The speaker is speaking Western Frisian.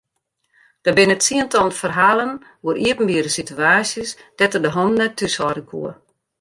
Der binne tsientallen ferhalen oer iepenbiere situaasjes dêr't er de hannen net thúshâlde koe.